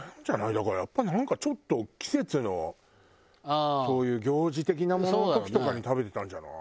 だからやっぱりなんかちょっと季節のそういう行事的なものの時とかに食べてたんじゃない？